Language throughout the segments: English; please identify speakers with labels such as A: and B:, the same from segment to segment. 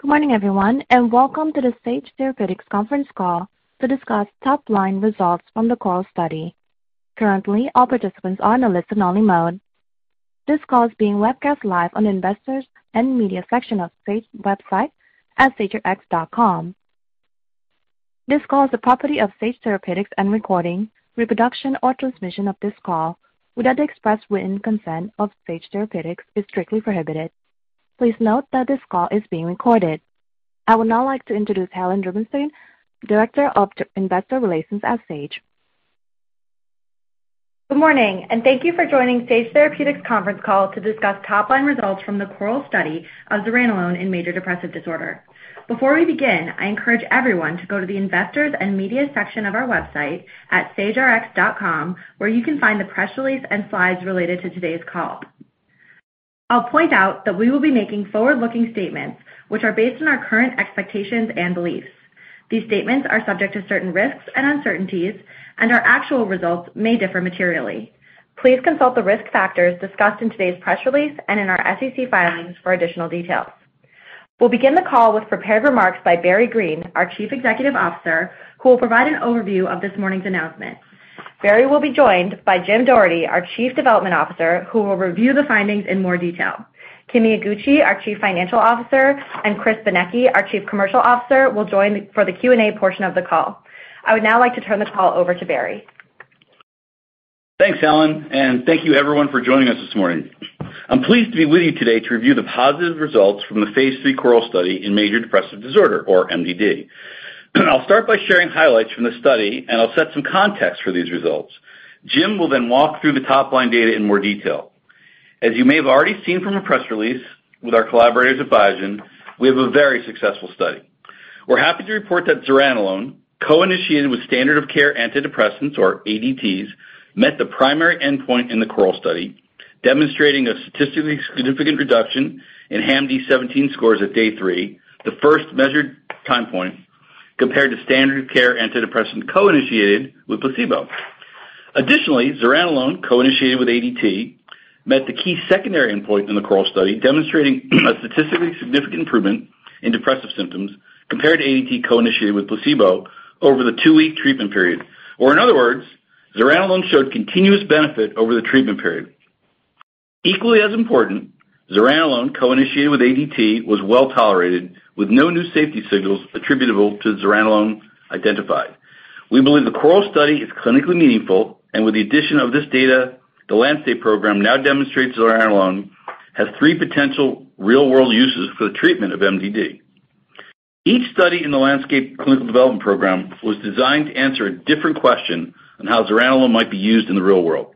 A: Good morning, everyone, and welcome to the Sage Therapeutics conference call to discuss top-line results from the CORAL study. Currently, all participants are in a listen-only mode. This call is being webcast live on the investors and media section of the Sage website at sagerx.com. This call is the property of Sage Therapeutics, and its recording, reproduction, or transmission of this call without the express written consent of Sage Therapeutics is strictly prohibited. Please note that this call is being recorded. I would now like to introduce Helen Rubinstein, Director of Investor Relations at Sage.
B: Good morning, and thank you for joining Sage Therapeutics conference call to discuss top-line results from the CORAL study of zuranolone in major depressive disorder. Before we begin, I encourage everyone to go to the investors and media section of our website at sagerx.com, where you can find the press release and slides related to today's call. I'll point out that we will be making forward-looking statements which are based on our current expectations and beliefs. These statements are subject to certain risks and uncertainties, and our actual results may differ materially. Please consult the risk factors discussed in today's press release and in our SEC filings for additional details. We'll begin the call with prepared remarks by Barry Greene, our Chief Executive Officer, who will provide an overview of this morning's announcement. Barry will be joined by Jim Doherty, our Chief Development Officer, who will review the findings in more detail. Kimi Iguchi, our Chief Financial Officer, and Chris Benecchi, our Chief Commercial Officer, will join for the Q&A portion of the call. I would now like to turn the call over to Barry.
C: Thanks, Helen, and thank you everyone for joining us this morning. I'm pleased to be with you today to review the positive results from the phase III CORAL study in major depressive disorder or MDD. I'll start by sharing highlights from the study, and I'll set some context for these results. Jim will then walk through the top-line data in more detail. As you may have already seen from the press release with our collaborators at Biogen, we have a very successful study. We're happy to report that zuranolone co-initiated with standard of care antidepressants or ADTs, met the primary endpoint in the CORAL study, demonstrating a statistically significant reduction in HAMD-17 scores at day three, the first measured time point, compared to standard of care antidepressant co-initiated with placebo. Additionally, zuranolone co-initiated with ADT met the key secondary endpoint in the CORAL study demonstrating a statistically significant improvement in depressive symptoms compared to ADT co-initiated with placebo over the two-week treatment period. Or in other words, zuranolone showed continuous benefit over the treatment period. Equally as important, zuranolone co-initiated with ADT was well-tolerated with no new safety signals attributable to zuranolone identified. We believe the CORAL study is clinically meaningful, and with the addition of this data, the Landscape program now demonstrates zuranolone has three potential real-world uses for the treatment of MDD. Each study in the Landscape clinical development program was designed to answer a different question on how zuranolone might be used in the real world.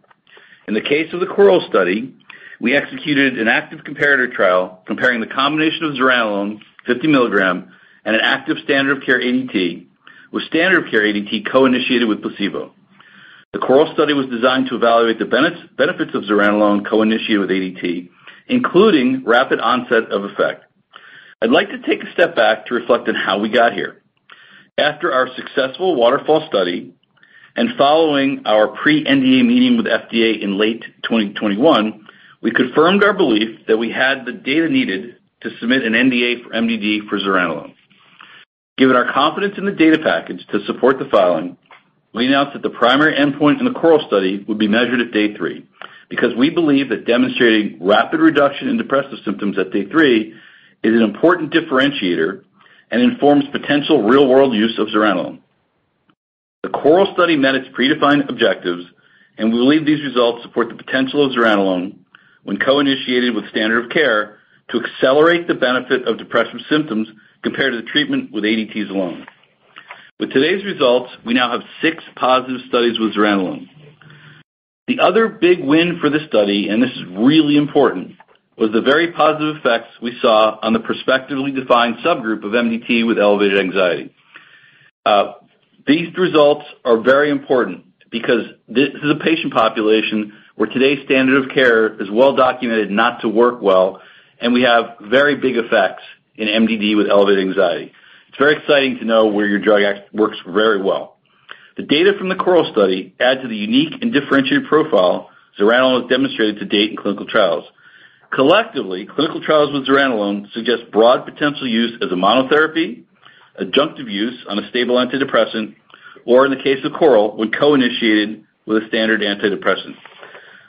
C: In the case of the CORAL study, we executed an active comparator trial comparing the combination of zuranolone 50 milligrams and an active standard of care ADT with standard of care ADT co-initiated with placebo. The CORAL study was designed to evaluate the benefits of zuranolone co-initiated with ADT, including rapid onset of effect. I'd like to take a step back to reflect on how we got here. After our successful WATERFALL and following our pre-NDA meeting with FDA in late 2021, we confirmed our belief that we had the data needed to submit an NDA for MDD for zuranolone. Given our confidence in the data package to support the filing, we announced that the primary endpoint in the CORAL study would be measured at day three because we believe that demonstrating rapid reduction in depressive symptoms at day three is an important differentiator and informs potential real-world use of zuranolone. The CORAL study met its predefined objectives, and we believe these results support the potential of zuranolone when co-initiated with standard of care to accelerate the benefit of depressive symptoms compared to the treatment with ADTs alone. With today's results, we now have six positive studies with zuranolone. The other big win for this study, and this is really important, was the very positive effects we saw on the prospectively defined subgroup of MDD with elevated anxiety. These results are very important because this is a patient population where today's standard of care is well documented not to work well, and we have very big effects in MDD with elevated anxiety. It's very exciting to know where your drug works very well. The data from the CORAL study add to the unique and differentiated profile zuranolone has demonstrated to date in clinical trials. Collectively, clinical trials with zuranolone suggest broad potential use as a monotherapy, adjunctive use on a stable antidepressant, or in the case of CORAL, when co-initiated with a standard antidepressant.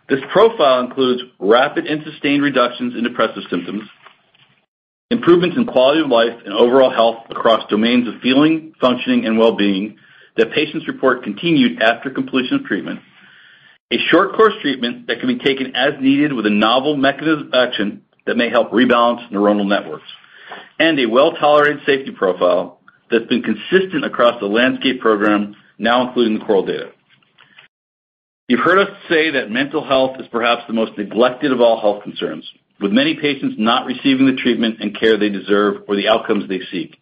C: This profile includes rapid and sustained reductions in depressive symptoms, improvements in quality of life and overall health across domains of feeling, functioning, and well-being that patients report continued after completion of treatment. A short course treatment that can be taken as needed with a novel mechanism of action that may help rebalance neuronal networks. A well-tolerated safety profile that's been consistent across the Landscape program now including the CORAL data. You've heard us say that mental health is perhaps the most neglected of all health concerns, with many patients not receiving the treatment and care they deserve or the outcomes they seek.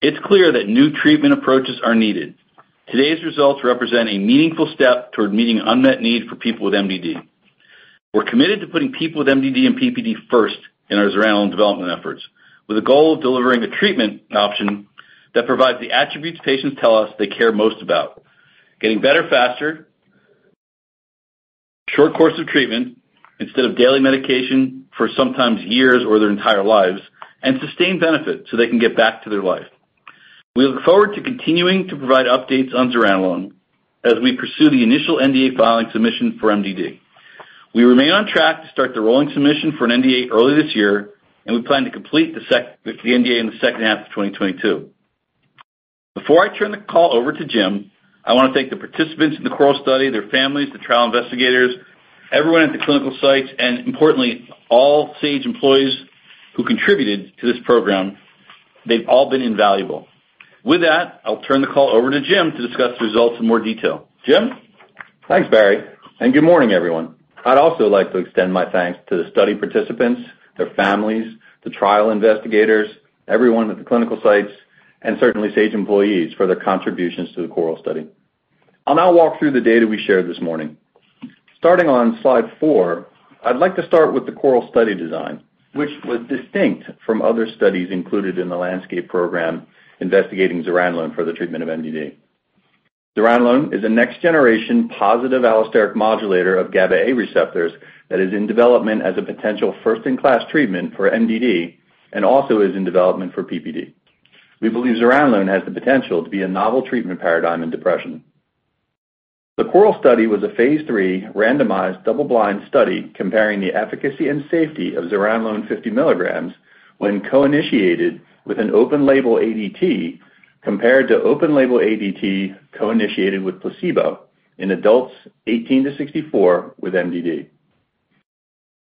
C: It's clear that new treatment approaches are needed. Today's results represent a meaningful step toward meeting unmet need for people with MDD. We're committed to putting people with MDD and PPD first in our zuranolone development efforts, with a goal of delivering a treatment option that provides the attributes patients tell us they care most about, getting better faster, short course of treatment instead of daily medication for sometimes years or their entire lives, and sustained benefit so they can get back to their life. We look forward to continuing to provide updates on zuranolone as we pursue the initial NDA filing submission for MDD. We remain on track to start the rolling submission for an NDA early this year, and we plan to complete the NDA in the second half of 2022. Before I turn the call over to Jim, I want to thank the participants in the CORAL study, their families, the trial investigators, everyone at the clinical sites, and importantly, all Sage employees who contributed to this program. They've all been invaluable. With that, I'll turn the call over to Jim to discuss the results in more detail. Jim?
D: Thanks, Barry, and good morning, everyone. I'd also like to extend my thanks to the study participants, their families, the trial investigators, everyone at the clinical sites, and certainly Sage employees for their contributions to the CORAL study. I'll now walk through the data we shared this morning. Starting on slide 4, I'd like to start with the CORAL study design, which was distinct from other studies included in the Landscape program investigating zuranolone for the treatment of MDD. Zuranolone is a next-generation positive allosteric modulator of GABA-A receptors that is in development as a potential first-in-class treatment for MDD and also is in development for PPD. We believe zuranolone has the potential to be a novel treatment paradigm in depression. The CORAL study was a phase III randomized double-blind study comparing the efficacy and safety of zuranolone 50 mg when co-initiated with an open-label ADT compared to open-label ADT co-initiated with placebo in adults 18-64 with MDD.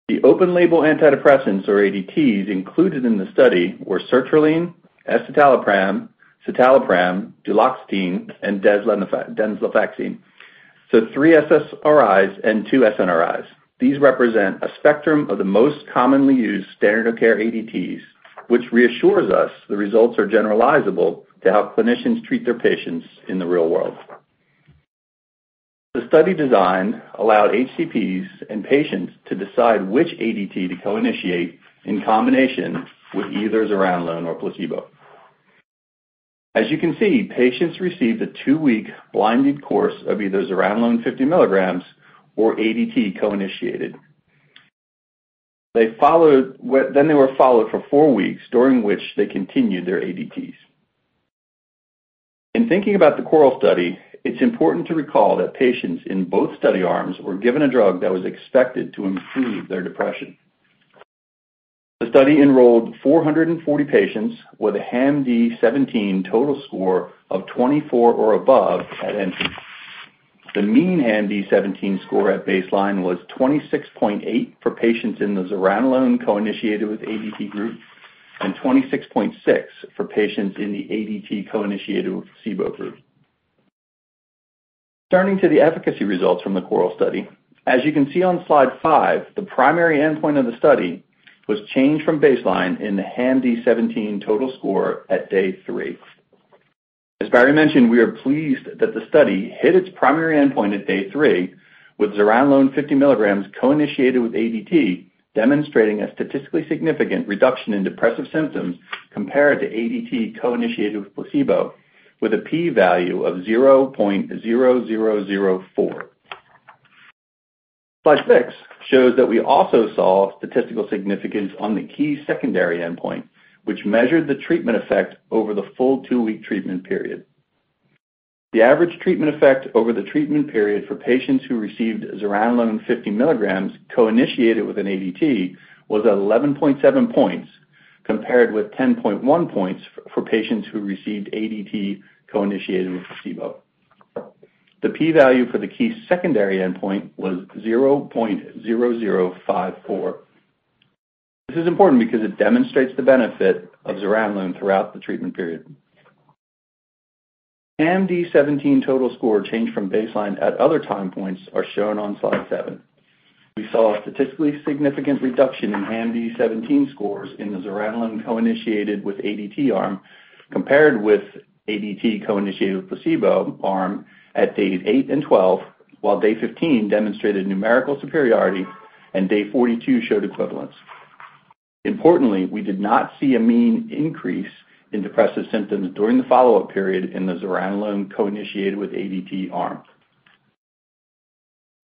D: The open-label antidepressants or ADTs included in the study were sertraline, escitalopram, citalopram, duloxetine, and desvenlafaxine. Three SSRIs and two SNRIs. These represent a spectrum of the most commonly used standard of care ADTs, which reassures us the results are generalizable to how clinicians treat their patients in the real world. The study design allowed HCPs and patients to decide which ADT to co-initiate in combination with either zuranolone or placebo. As you can see, patients received a two-week blinded course of either zuranolone 50 mg or ADT co-initiated. They were followed for four weeks during which they continued their ADTs. In thinking about the CORAL study, it's important to recall that patients in both study arms were given a drug that was expected to improve their depression. The study enrolled 440 patients with a HAMD-17 total score of 24 or above at entry. The mean HAMD-17 score at baseline was 26.8 for patients in the zuranolone co-initiated with ADT group, and 26.6 for patients in the ADT co-initiated with placebo group. Turning to the efficacy results from the CORAL study. As you can see on slide 5, the primary endpoint of the study was changed from baseline in the HAMD-17 total score at day 3. As Barry mentioned, we are pleased that the study hit its primary endpoint at day 3 with zuranolone 50 mg co-initiated with ADT, demonstrating a statistically significant reduction in depressive symptoms compared to ADT co-initiated with placebo with a p-value of 0.0004. Slide 6 shows that we also saw statistical significance on the key secondary endpoint, which measured the treatment effect over the full two-week treatment period. The average treatment effect over the treatment period for patients who received zuranolone 50 mg co-initiated with an ADT was 11.7 points, compared with 10.1 points for patients who received ADT co-initiated with placebo. The p-value for the key secondary endpoint was 0.0054. This is important because it demonstrates the benefit of zuranolone throughout the treatment period. HAM-D17 total score changed from baseline at other time points are shown on slide 7. We saw a statistically significant reduction in HAM-D17 scores in the zuranolone co-initiated with ADT arm, compared with ADT co-initiated with placebo arm at days eight and 12, while day 15 demonstrated numerical superiority and day 42 showed equivalence. Importantly, we did not see a mean increase in depressive symptoms during the follow-up period in the zuranolone co-initiated with ADT arm.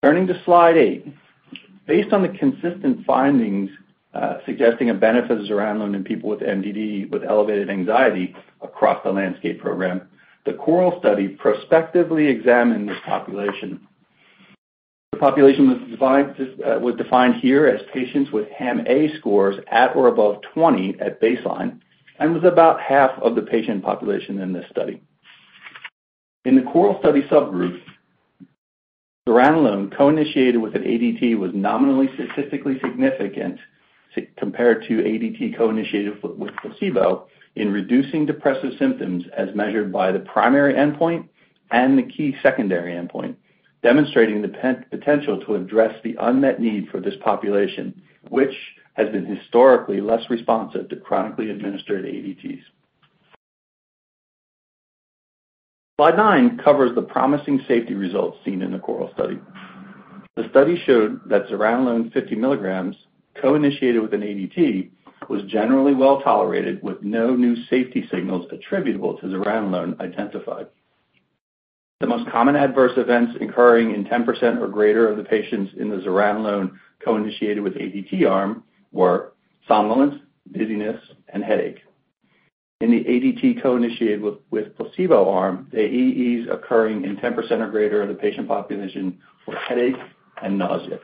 D: Turning to slide 8. Based on the consistent findings suggesting a benefit of zuranolone in people with MDD with elevated anxiety across the Landscape program, the CORAL study prospectively examined this population. The population was defined here as patients with HAM-A scores at or above 20 at baseline and was about half of the patient population in this study. In the CORAL study subgroup, zuranolone co-initiated with an ADT was nominally statistically significant compared to ADT co-initiated with placebo in reducing depressive symptoms as measured by the primary endpoint and the key secondary endpoint, demonstrating the potential to address the unmet need for this population, which has been historically less responsive to chronically administered ADTs. Slide 9 covers the promising safety results seen in the CORAL study. The study showed that zuranolone 50 milligrams co-initiated with an ADT was generally well-tolerated with no new safety signals attributable to zuranolone identified. The most common adverse events occurring in 10% or greater of the patients in the zuranolone co-initiated with ADT arm were somnolence, dizziness, and headache. In the ADT co-initiated with placebo arm, the AEs occurring in 10% or greater of the patient population were headache and nausea.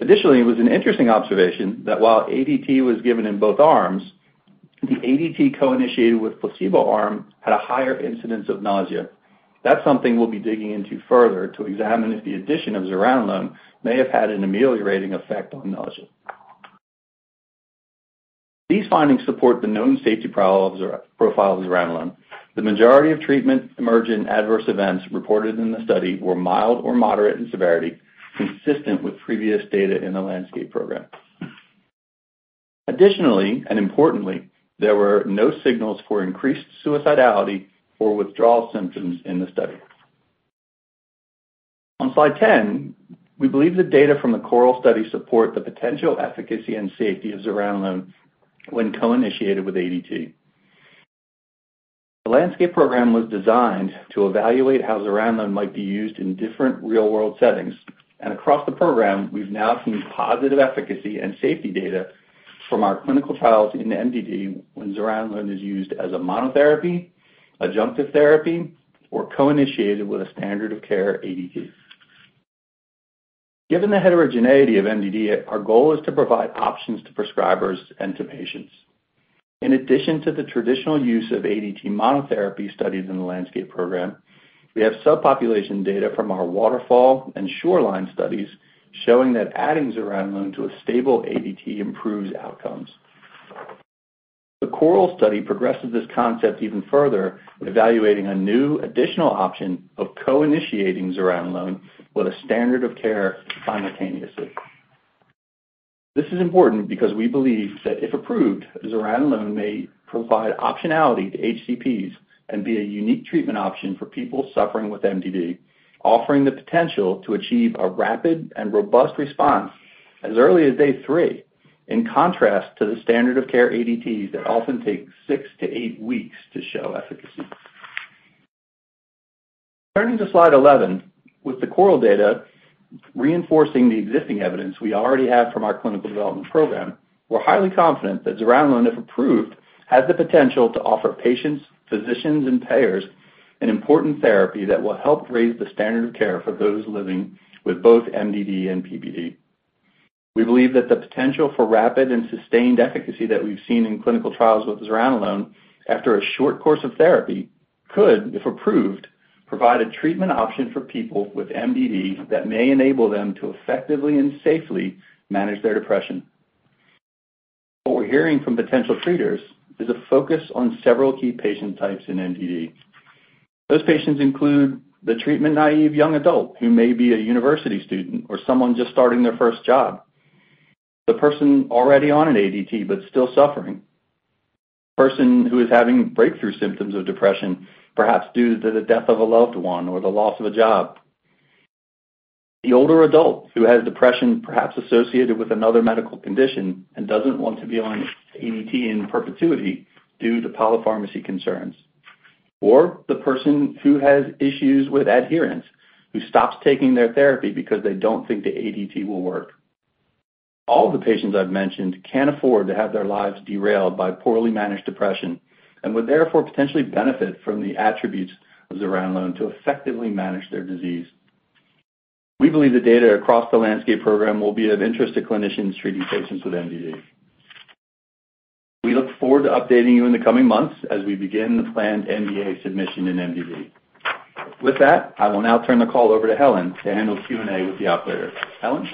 D: Additionally, it was an interesting observation that while ADT was given in both arms, the ADT co-initiated with placebo arm had a higher incidence of nausea. That's something we'll be digging into further to examine if the addition of zuranolone may have had an ameliorating effect on nausea. These findings support the known safety profiles or profile of zuranolone. The majority of treatment emergent adverse events reported in the study were mild or moderate in severity, consistent with previous data in the Landscape program. Additionally, and importantly, there were no signals for increased suicidality or withdrawal symptoms in the study. On slide 10, we believe the data from the CORAL study support the potential efficacy and safety of zuranolone when co-initiated with ADT. The Landscape program was designed to evaluate how zuranolone might be used in different real-world settings. Across the program, we've now seen positive efficacy and safety data from our clinical trials in MDD when zuranolone is used as a monotherapy, adjunctive therapy, or co-initiated with a standard of care ADT. Given the heterogeneity of MDD, our goal is to provide options to prescribers and to patients. In addition to the traditional use of ADT monotherapy studies in the Landscape program, we have subpopulation data from our Waterfall and Shoreline studies showing that adding zuranolone to a stable ADT improves outcomes. The CORAL study progresses this concept even further with evaluating a new additional option of co-initiating zuranolone with a standard of care simultaneously. This is important because we believe that if approved, zuranolone may provide optionality to HCPs and be a unique treatment option for people suffering with MDD, offering the potential to achieve a rapid and robust response as early as day three, in contrast to the standard of care ADTs that often take 6-8 weeks to show efficacy. Turning to slide 11. With the CORAL data reinforcing the existing evidence we already have from our clinical development program, we're highly confident that zuranolone, if approved, has the potential to offer patients, physicians and payers an important therapy that will help raise the standard of care for those living with both MDD and PPD. We believe that the potential for rapid and sustained efficacy that we've seen in clinical trials with zuranolone after a short course of therapy could, if approved, provide a treatment option for people with MDD that may enable them to effectively and safely manage their depression. What we're hearing from potential treaters is a focus on several key patient types in MDD. Those patients include the treatment-naive young adult who may be a university student or someone just starting their first job. The person already on an ADT but still suffering. The person who is having breakthrough symptoms of depression, perhaps due to the death of a loved one or the loss of a job. The older adult who has depression perhaps associated with another medical condition and doesn't want to be on ADT in perpetuity due to polypharmacy concerns. The person who has issues with adherence, who stops taking their therapy because they don't think the ADT will work. All the patients I've mentioned can't afford to have their lives derailed by poorly managed depression and would therefore potentially benefit from the attributes of zuranolone to effectively manage their disease. We believe the data across the Landscape program will be of interest to clinicians treating patients with MDD. We look forward to updating you in the coming months as we begin the planned NDA submission in MDD. With that, I will now turn the call over to Helen to handle Q&A with the operator. Helen?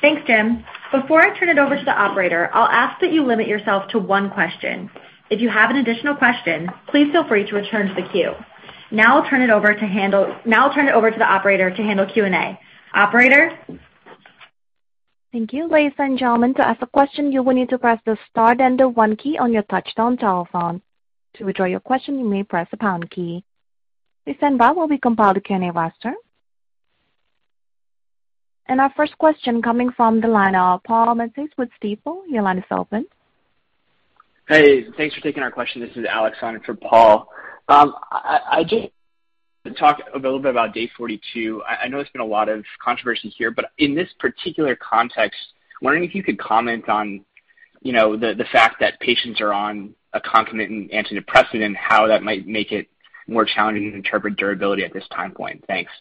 B: Thanks, Jim. Before I turn it over to the operator, I'll ask that you limit yourself to one question. If you have an additional question, please feel free to return to the queue. Now I'll turn it over to the operator to handle Q&A. Operator?
A: Thank you. Ladies and gentlemen, to ask a question, you will need to press the star then the one key on your touch-tone telephone. To withdraw your question, you may press the pound key. Please stand by while we compile the Q&A roster. Our first question coming from the line of Paul Matteis with Stifel. Your line is open.
E: Hey, thanks for taking our question. This is Alex on for Paul. I just talk a little bit about day 42. I know there's been a lot of controversy here, but in this particular context, wondering if you could comment on, you know, the fact that patients are on a concomitant antidepressant and how that might make it more challenging to interpret durability at this time point. Thanks.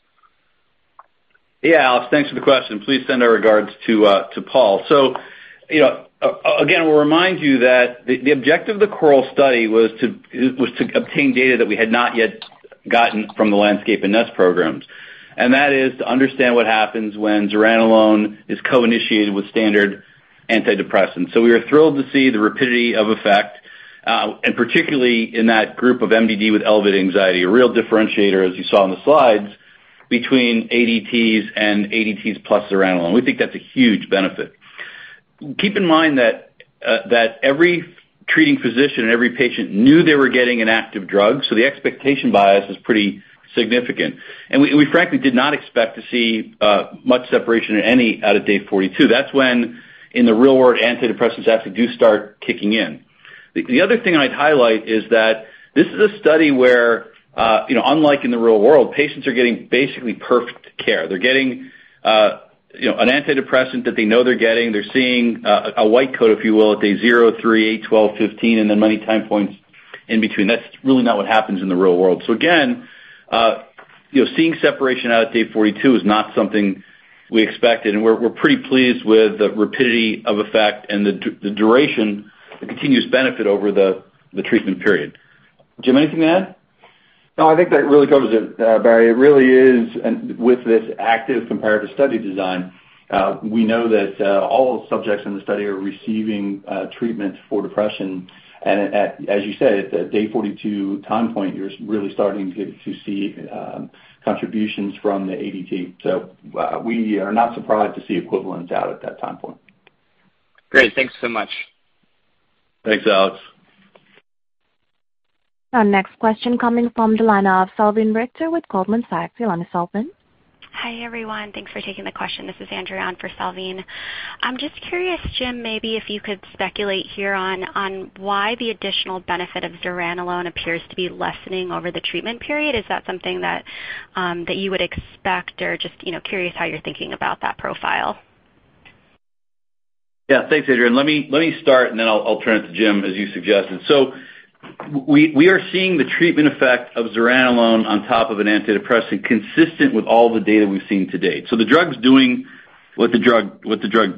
D: Yeah, Alex, thanks for the question. Please send our regards to Paul. You know, again, we'll remind you that the objective of the CORAL study was to obtain data that we had not yet gotten from the Landscape and NEST programs, and that is to understand what happens when zuranolone is co-initiated with standard antidepressants. We are thrilled to see the rapidity of effect, and particularly in that group of MDD with elevated anxiety, a real differentiator, as you saw in the slides, between ADTs and ADTs plus zuranolone. We think that's a huge benefit. Keep in mind that every treating physician and every patient knew they were getting an active drug, so the expectation bias is pretty significant. We frankly did not expect to see much separation in any way out to day 42. That's when, in the real world, antidepressants actually do start kicking in.
C: The other thing I'd highlight is that this is a study where, you know, unlike in the real world, patients are getting basically perfect care. They're getting, you know, an antidepressant that they know they're getting. They're seeing, a white coat, if you will, at day zero, three, eight, 12, 15, and then many time points in between. That's really not what happens in the real world. So again, you know, seeing separation out at day 42 is not something we expected, and we're pretty pleased with the rapidity of effect and the duration, the continuous benefit over the treatment period. Jim, anything to add?
D: No, I think that really covers it, Barry. It really is with this active comparative study design, we know that all subjects in the study are receiving treatment for depression. As you said, at the day 42 time point, you're really starting to get to see contributions from the ADT. We are not surprised to see equivalents out at that time point.
C: Great. Thanks so much.
D: Thanks, Alex.
A: Our next question coming from the line of Salveen Richter with Goldman Sachs. Your line is open.
F: Hi, everyone. Thanks for taking the question. This is Andrea on for Salveen. I'm just curious, Jim, maybe if you could speculate here on why the additional benefit of zuranolone appears to be lessening over the treatment period. Is that something that you would expect? Or just, you know, curious how you're thinking about that profile.
C: Yeah. Thanks, Andrea. Let me start, and then I'll turn it to Jim, as you suggested. We are seeing the treatment effect of zuranolone on top of an antidepressant consistent with all the data we've seen to date. The drug's doing what the drug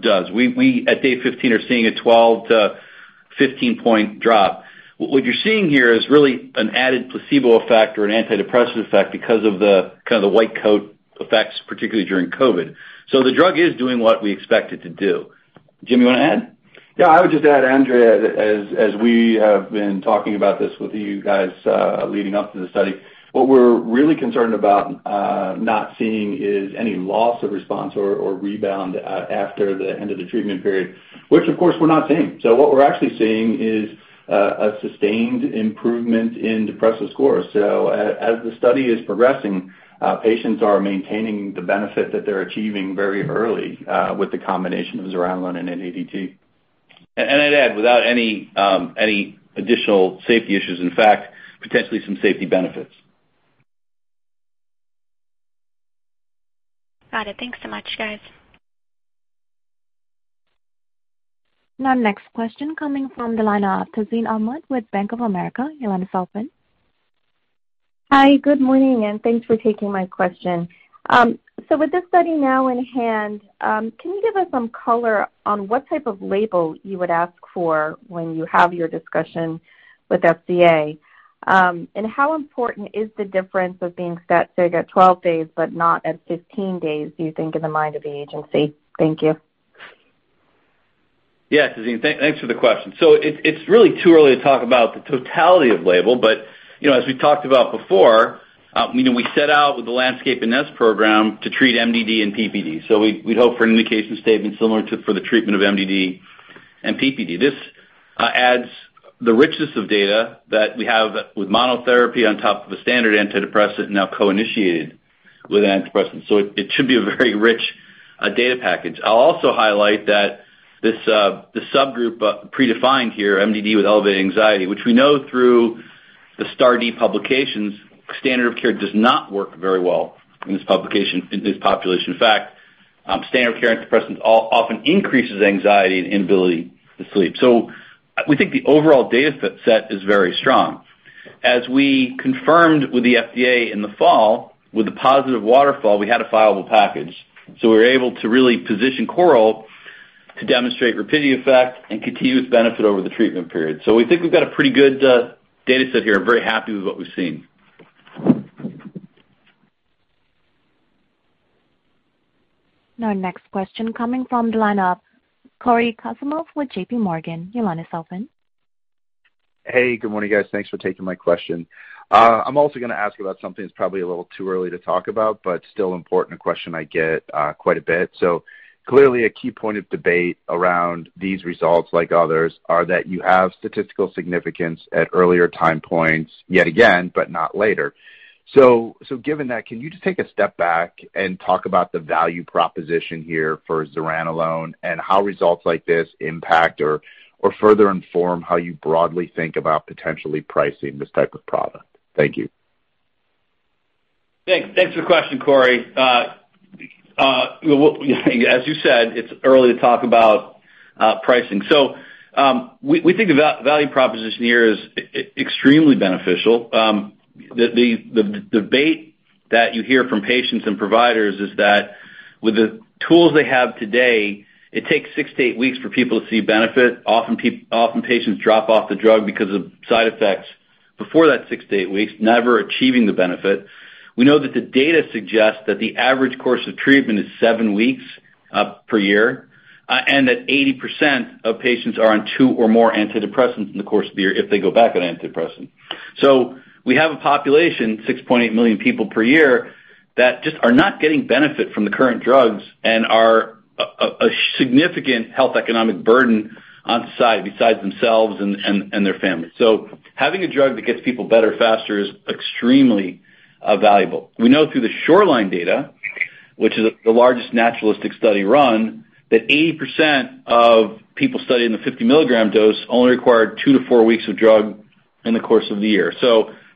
C: does. We at day 15 are seeing a 12-15-point drop. What you're seeing here is really an added placebo effect or an antidepressant effect because of the kind of the white coat effects, particularly during COVID. The drug is doing what we expect it to do. Jim, you wanna add?
D: Yeah, I would just add, Andrea, as we have been talking about this with you guys, leading up to the study, what we're really concerned about not seeing is any loss of response or rebound after the end of the treatment period, which of course we're not seeing. What we're actually seeing is a sustained improvement in depressive scores. As the study is progressing, patients are maintaining the benefit that they're achieving very early with the combination of zuranolone and an ADT.
C: I'd add without any additional safety issues. In fact, potentially some safety benefits.
F: Got it. Thanks so much, guys.
A: Our next question coming from the line of Tazeen Ahmad with Bank of America. Your line is open.
G: Hi. Good morning, and thanks for taking my question. With this study now in hand, can you give us some color on what type of label you would ask for when you have your discussion with FDA? How important is the difference of being stat sig at 12 days but not at 15 days, do you think, in the mind of the agency? Thank you.
C: Yes, Tazeen. Thanks for the question. It's really too early to talk about the totality of label. You know, as we talked about before, you know, we set out with the Landscape and NEST program to treat MDD and PPD. We'd hope for an indication statement similar to for the treatment of MDD and PPD. This adds the richness of data that we have with monotherapy on top of a standard antidepressant now co-initiated with antidepressant. It should be a very rich data package. I'll also highlight that this subgroup predefined here, MDD with elevated anxiety, which we know through the STAR*D publications, standard of care does not work very well in this population. In fact, standard of care antidepressants often increase anxiety and inability to sleep. We think the overall data set is very strong. As we confirmed with the FDA in the fall, with the positive Waterfall, we had a fileable package. We're able to really position CORAL to demonstrate rapid effect and continuous benefit over the treatment period. We think we've got a pretty good data set here. Very happy with what we've seen.
A: Our next question coming from the line of Cory Kasimov with J.P. Morgan. Your line is open.
H: Hey, good morning, guys. Thanks for taking my question. I'm also gonna ask about something that's probably a little too early to talk about, but still important, a question I get quite a bit. Clearly, a key point of debate around these results, like others, are that you have statistical significance at earlier time points yet again, but not later. Given that, can you just take a step back and talk about the value proposition here for zuranolone and how results like this impact or further inform how you broadly think about potentially pricing this type of product? Thank you.
C: Thanks. Thanks for the question, Corey. Well, as you said, it's early to talk about pricing. We think the value proposition here is extremely beneficial. The debate that you hear from patients and providers is that with the tools they have today, it takes six to eight weeks for people to see benefit. Often patients drop off the drug because of side effects before that six to eight weeks, never achieving the benefit. We know that the data suggests that the average course of treatment is seven weeks per year, and that 80% of patients are on two or more antidepressants in the course of the year if they go back on antidepressant. We have a population, 6.8 million people per year, that just are not getting benefit from the current drugs and are a significant health economic burden on society besides themselves and their families. Having a drug that gets people better, faster is extremely valuable. We know through the Shoreline data, which is the largest naturalistic study run, that 80% of people on the 50 mg dose only required 2-4 weeks of drug in the course of the year.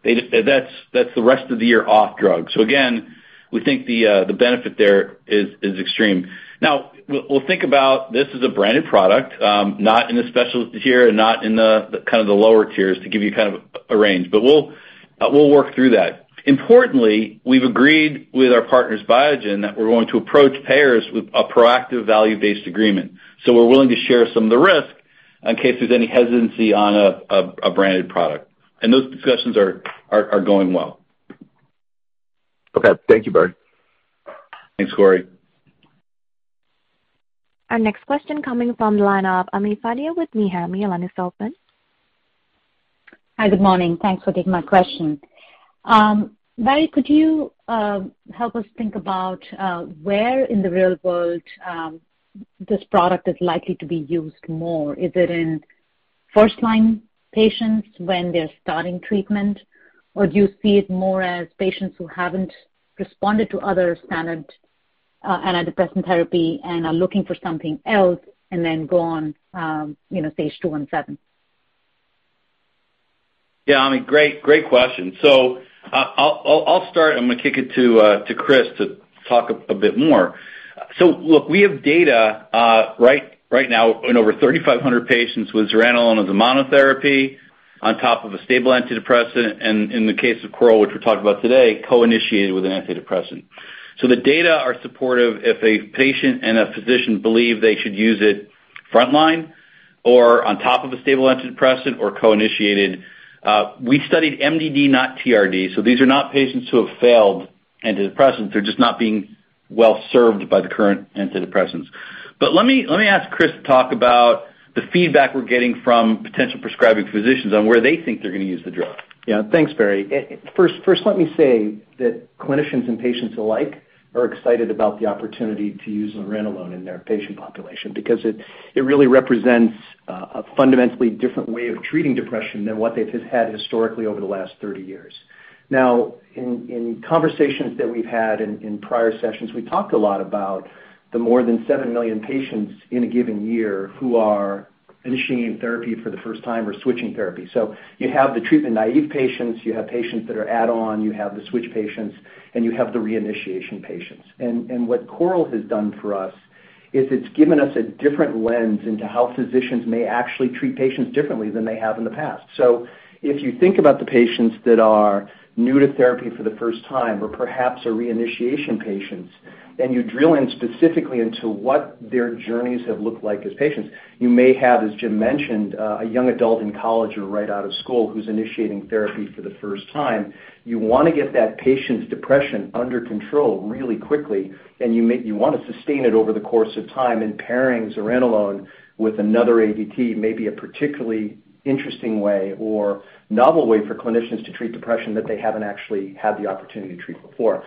C: That's the rest of the year off drug. Again, we think the benefit there is extreme. Now, we'll think about this is a branded product, not in the specialist tier and not in the kind of the lower tiers to give you kind of a range, but we'll work through that. Importantly, we've agreed with our partners, Biogen, that we're going to approach payers with a proactive value-based agreement. We're willing to share some of the risk in case there's any hesitancy on a branded product. Those discussions are going well.
H: Okay. Thank you, Barry.
C: Thanks, Cory.
A: Our next question coming from the line of Ami Fadia with Needham. Your line is open.
I: Hi, good morning. Thanks for taking my question. Barry, could you help us think about where in the real world this product is likely to be used more? Is it in first-line patients when they're starting treatment? Or do you see it more as patients who haven't responded to other standard antidepressant therapy and are looking for something else and then go on, you know, phase two and seven?
C: Yeah, Ami. Great question. I'll start, and I'm gonna kick it to Chris to talk a bit more. Look, we have data right now in over 3,500 patients with zuranolone as a monotherapy on top of a stable antidepressant. In the case of CORAL, which we talked about today, co-initiated with an antidepressant. The data are supportive if a patient and a physician believe they should use it frontline or on top of a stable antidepressant or co-initiated. We studied MDD, not TRD. These are not patients who have failed antidepressants. They're just not being well served by the current antidepressants. Let me ask Chris to talk about the feedback we're getting from potential prescribing physicians on where they think they're gonna use the drug.
J: Yeah. Thanks, Barry. First, let me say that clinicians and patients alike are excited about the opportunity to use zuranolone in their patient population because it really represents a fundamentally different way of treating depression than what they've just had historically over the last 30 years. Now, in conversations that we've had in prior sessions, we talked a lot about the more than 7 million patients in a given year who are initiating therapy for the first time or switching therapy. You have the treatment-naive patients, you have patients that are add-on, you have the switch patients, and you have the reinitiation patients. What CORAL has done for us is it's given us a different lens into how physicians may actually treat patients differently than they have in the past. If you think about the patients that are new to therapy for the first time or perhaps are reinitiation patients, and you drill in specifically into what their journeys have looked like as patients, you may have, as Jim mentioned, a young adult in college or right out of school who's initiating therapy for the first time. You wanna get that patient's depression under control really quickly, and you want to sustain it over the course of time in pairing zuranolone with another ADT may be a particularly interesting way or novel way for clinicians to treat depression that they haven't actually had the opportunity to treat before.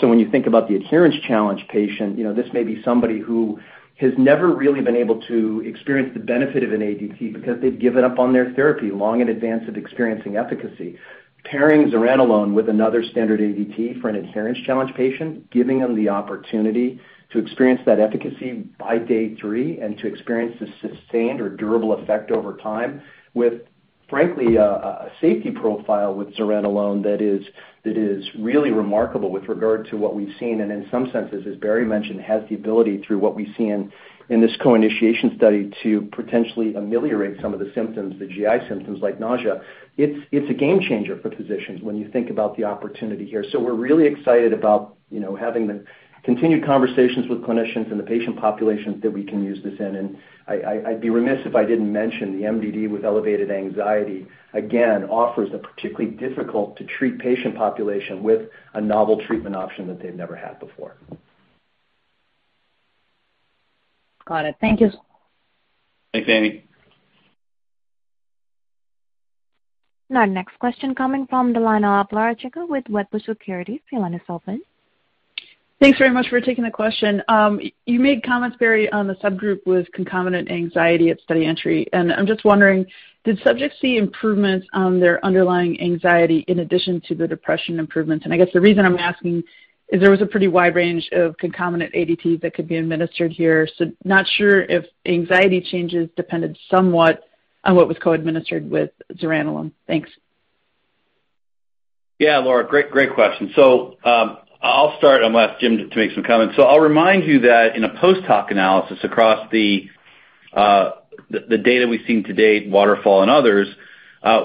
J: When you think about the adherence challenge patient, you know, this may be somebody who has never really been able to experience the benefit of an ADT because they've given up on their therapy long in advance of experiencing efficacy. Pairing zuranolone with another standard ADT for an adherence challenge patient, giving them the opportunity to experience that efficacy by day 3 and to experience the sustained or durable effect over time with, frankly, a safety profile with zuranolone that is really remarkable with regard to what we've seen, and in some senses, as Barry mentioned, has the ability through what we see in this co-initiation study to potentially ameliorate some of the symptoms, the GI symptoms like nausea. It's a game changer for physicians when you think about the opportunity here. We're really excited about, you know, having the continued conversations with clinicians and the patient populations that we can use this in. I'd be remiss if I didn't mention the MDD with elevated anxiety, again, offers a particularly difficult-to-treat patient population with a novel treatment option that they've never had before.
I: Got it. Thank you.
C: Thanks, Ami.
A: Our next question coming from the line of Laura Chico with Wedbush Securities. Your line is open.
K: Thanks very much for taking the question. You made comments, Barry, on the subgroup with concomitant anxiety at study entry. I'm just wondering, did subjects see improvements on their underlying anxiety in addition to the depression improvements? I guess the reason I'm asking is there was a pretty wide range of concomitant ADT that could be administered here. Not sure if anxiety changes depended somewhat on what was co-administered with zuranolone. Thanks.
C: Yeah, Laura. Great question. I'll start and ask Jim to make some comments. I'll remind you that in a post-hoc analysis across the data we've seen to date, Waterfall and others,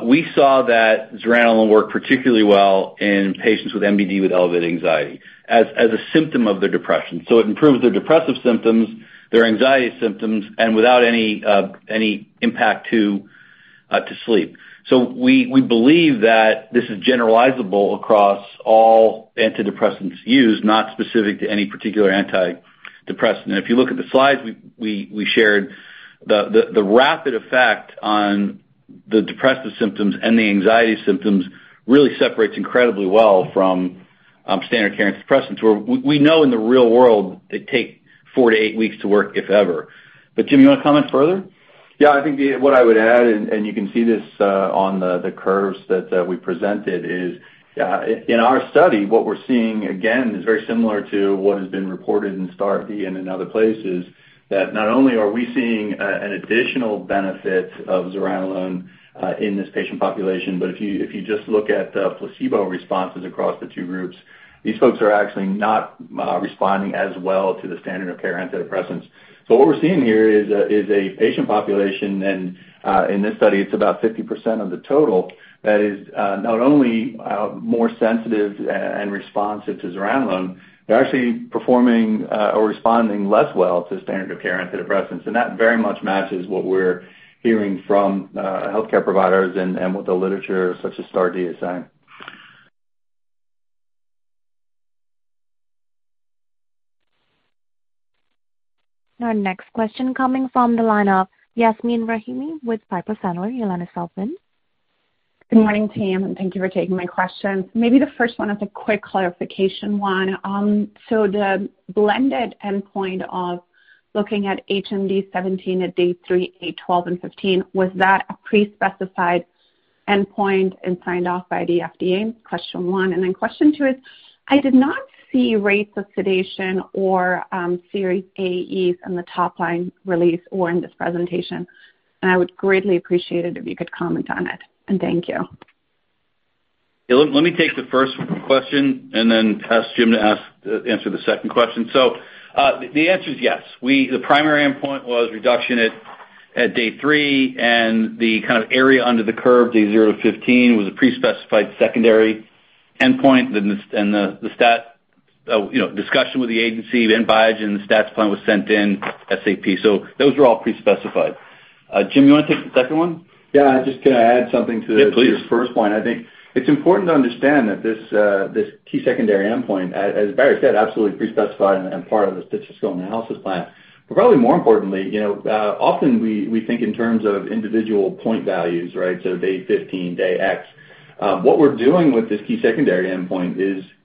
C: we saw that zuranolone worked particularly well in patients with MDD with elevated anxiety as a symptom of their depression. It improves their depressive symptoms, their anxiety symptoms, and without any impact to sleep. We believe that this is generalizable across all antidepressants used, not specific to any particular antidepressant. If you look at the slides we shared, the rapid effect on the depressive symptoms and the anxiety symptoms really separates incredibly well from standard care antidepressants, where we know in the real world they take four-eight weeks to work, if ever. Jim, you wanna comment further?
D: Yeah, I think what I would add, and you can see this on the curves that we presented is in our study, what we're seeing again is very similar to what has been reported in STAR*D and in other places, that not only are we seeing an additional benefit of zuranolone in this patient population, but if you just look at the placebo responses across the two groups, these folks are actually not responding as well to the standard of care antidepressants. What we're seeing here is a patient population, and in this study, it's about 50% of the total, that is not only more sensitive and responsive to zuranolone, they're actually performing or responding less well to standard of care antidepressants. That very much matches what we're hearing from healthcare providers and with the literature such as STAR*D, yes.
A: Our next question coming from the line of Yasmeen Rahimi with Piper Sandler. You'll let yourself in.
L: Good morning, team, and thank you for taking my questions. Maybe the first one is a quick clarification one. So the blended endpoint of looking at HAMD-17 at day three, eight, 12 and 15, was that a pre-specified endpoint and signed off by the FDA? Question one. Then question two is, I did not see rates of sedation or, serious AEs in the top line release or in this presentation, and I would greatly appreciate it if you could comment on it. Thank you.
C: Yeah. Let me take the first question and then ask Jim to answer the second question. The answer is yes. The primary endpoint was reduction at day three, and the kind of area under the curve, day zero to 15, was a pre-specified secondary endpoint. Then the and the stats discussion with the agency, then Biogen, the stats plan was sent in, SAP. So those were all pre-specified. Jim, you wanna take the second one?
D: Yeah, just, can I add something to-
C: Yeah, please.
D: The first point? I think it's important to understand that this key secondary endpoint, as Barry said, absolutely pre-specified and part of the statistical analysis plan. Probably more importantly, you know, often we think in terms of individual point values, right? Day 15, day X. What we're doing with this key secondary endpoint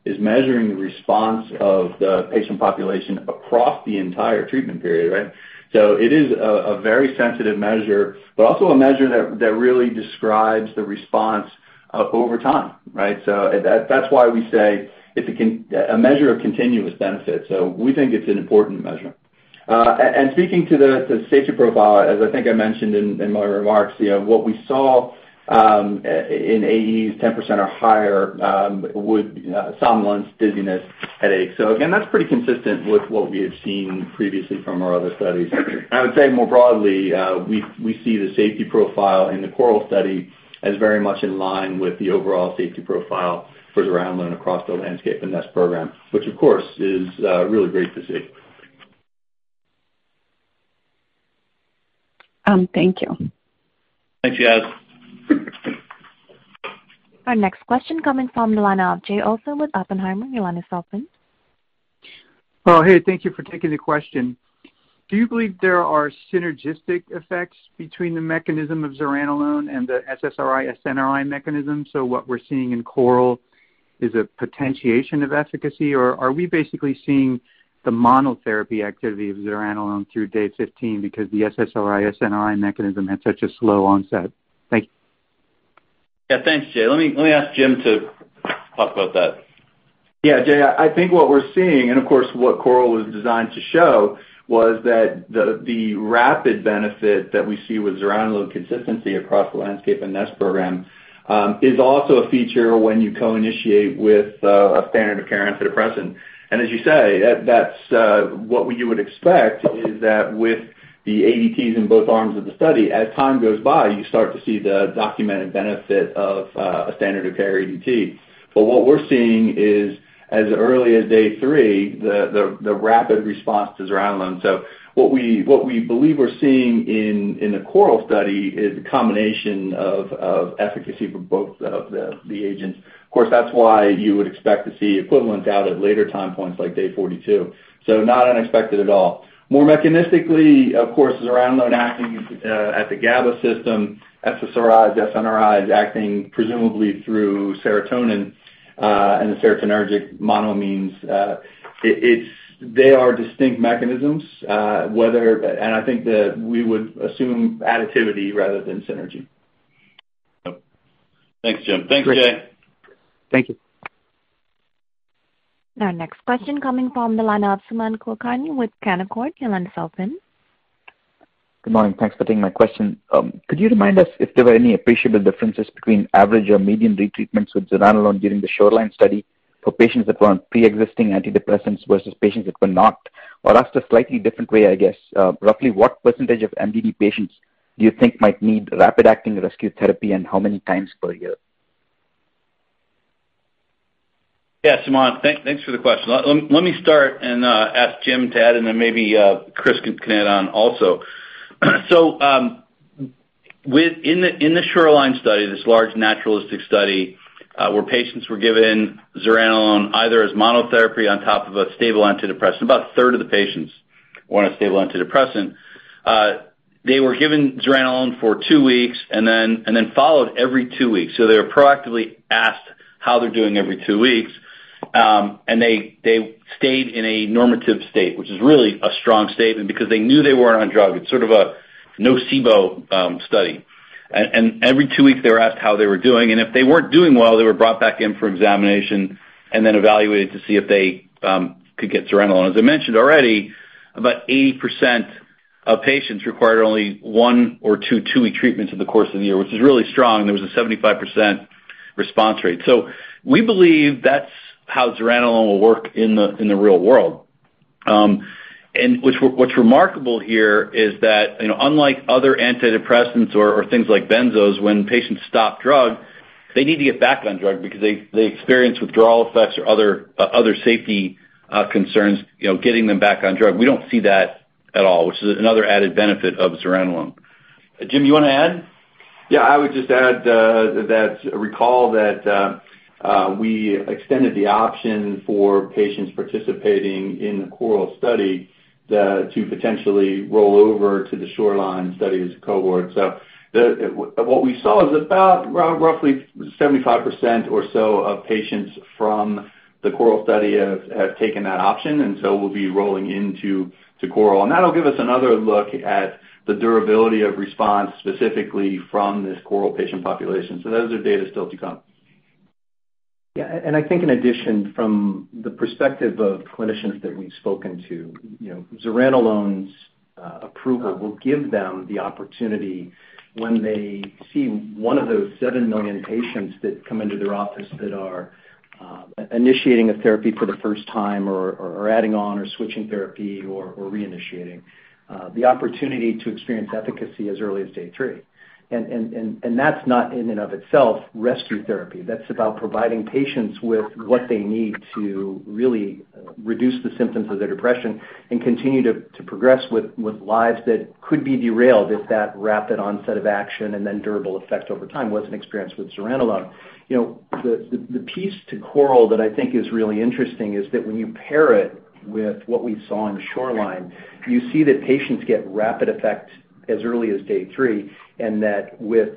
D: is measuring the response of the patient population across the entire treatment period, right? It is a very sensitive measure but also a measure that really describes the response over time, right? That's why we say it's a measure of continuous benefit, so we think it's an important measure. Speaking to the safety profile, as I think I mentioned in my remarks, you know, what we saw in AEs 10% or higher would somnolence, dizziness, headache. Again, that's pretty consistent with what we had seen previously from our other studies. I would say more broadly, we see the safety profile in the CORAL study as very much in line with the overall safety profile for zuranolone across the Landscape program and NEST program, which of course is really great to see.
L: Thank you.
C: Thanks, Yas.
A: Our next question coming from the line of Jay Olson with Oppenheimer. You let yourself in.
M: Oh, hey, thank you for taking the question. Do you believe there are synergistic effects between the mechanism of zuranolone and the SSRI, SNRI mechanism? What we're seeing in CORAL is a potentiation of efficacy, or are we basically seeing the monotherapy activity of zuranolone through day 15 because the SSRI, SNRI mechanism had such a slow onset? Thank you.
C: Yeah, thanks, Jay. Let me ask Jim to talk about that.
D: Yeah, Jay, I think what we're seeing, and of course, what CORAL was designed to show, was that the rapid benefit that we see with zuranolone consistently across the Landscape and NEST program is also a feature when you co-initiate with a standard of care antidepressant. As you say, that's what we would expect is that with the ADTs in both arms of the study, as time goes by, you start to see the documented benefit of a standard of care ADT. What we're seeing is, as early as day three, the rapid response to zuranolone. What we believe we're seeing in the CORAL study is a combination of efficacy for both the agents. Of course, that's why you would expect to see equivalent data at later time points like day 42. Not unexpected at all. More mechanistically, of course, zuranolone acting at the GABA system, SSRIs, SNRIs acting presumably through serotonin and the serotonergic monoamines. It's they are distinct mechanisms, and I think that we would assume additivity rather than synergy.
C: Yep. Thanks, Jim. Thanks, Jay.
M: Thank you.
A: Our next question coming from the line of Sumant Kulkarni with Canaccord. You let yourself in.
N: Good morning. Thanks for taking my question. Could you remind us if there were any appreciable differences between average or median re-treatments with zuranolone during the SHORELINEfor patients that were on pre-existing antidepressants versus patients that were not? Asked a slightly different way, I guess, roughly what percentage of MDD patients do you think might need rapid-acting rescue therapy, and how many times per year?
C: Yeah, Sumant, thanks for the question. Let me start and ask Jim to add in and maybe Chris can come in on also. With in the SHORELINE, this large naturalistic study, where patients were given zuranolone either as monotherapy on top of a stable antidepressant, about a third of the patients were on a stable antidepressant. They were given zuranolone for two weeks and then followed every two weeks. They were proactively asked how they're doing every two weeks. They stayed in a normative state, which is really a strong statement because they knew they weren't on drug. It's sort of a nocebo study. Every two weeks, they were asked how they were doing, and if they weren't doing well, they were brought back in for examination and then evaluated to see if they could get zuranolone. As I mentioned already, about 80% of patients required only one or two two-week treatments in the course of the year, which is really strong. There was a 75% response rate. We believe that's how zuranolone will work in the real world. What's remarkable here is that, you know, unlike other antidepressants or things like benzos, when patients stop drug, they need to get back on drug because they experience withdrawal effects or other safety concerns, you know, getting them back on drug. We don't see that at all, which is another added benefit of zuranolone. Jim, you wanna add?
D: Yeah, I would just add that recall that we extended the option for patients participating in the CORAL study to potentially roll over to the SHORELINE as a cohort. What we saw is about roughly 75% or so of patients from the CORAL study have taken that option, and we'll be rolling into the SHORELINE. That'll give us another look at the durability of response specifically from this CORAL patient population. Those are data still to come.
J: Yeah. I think in addition, from the perspective of clinicians that we've spoken to, you know, zuranolone's approval will give them the opportunity when they see one of those 7 million patients that come into their office that are initiating a therapy for the first time or adding on or switching therapy or reinitiating the opportunity to experience efficacy as early as day three. That's not in and of itself rescue therapy. That's about providing patients with what they need to really reduce the symptoms of their depression and continue to progress with lives that could be derailed if that rapid onset of action and then durable effect over time wasn't experienced with zuranolone. You know, the piece to CORAL that I think is really interesting is that when you pair it with what we saw in SHORELINE, you see that patients get rapid effect as early as day three, and that with,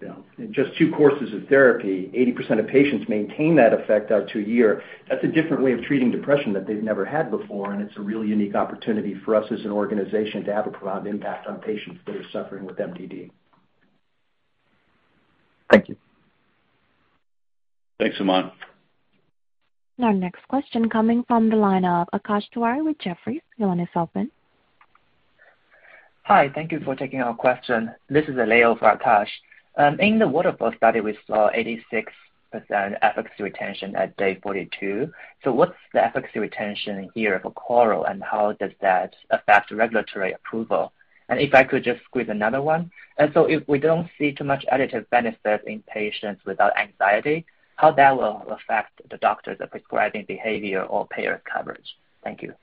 J: you know, just two courses of therapy, 80% of patients maintain that effect out to a year. That's a different way of treating depression that they've never had before, and it's a really unique opportunity for us as an organization to have a profound impact on patients that are suffering with MDD.
C: Thank you.
D: Thanks, Aman.
A: Our next question coming from the line of Akash Tewari with Jefferies. Your line is open.
O: Hi. Thank you for taking our question. This is Leo for Akash. In the WATERFALL Study, we saw 86% efficacy retention at day 42. What's the efficacy retention here for CORAL, and how does that affect regulatory approval? If I could just squeeze another one. If we don't see too much additive benefits in patients without anxiety, how that will affect the doctors' prescribing behavior or payer coverage? Thank you.